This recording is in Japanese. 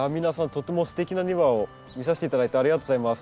とってもすてきな庭を見させて頂いてありがとうございます。